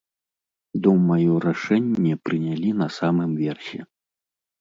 Думаю, рашэнне прынялі на самым версе.